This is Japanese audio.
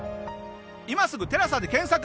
今すぐ「テラサ」で検索。